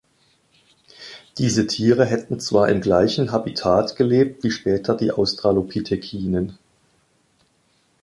Diese Tiere hätten zwar im gleichen Habitat gelebt wie später die Australopithecinen.